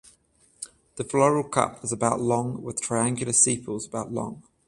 The floral cup is about long with triangular sepals about long.